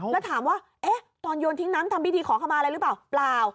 แล้วถามว่าตอนโยนทิ้งน้ำทำพิธีขอขมาอะไรหรือเปล่าเปล่า